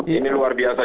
ini luar biasa